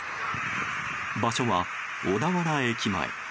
場所は小田原駅前。